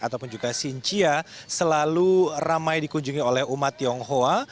ataupun juga xinjia selalu ramai dikunjungi oleh umat tionghoa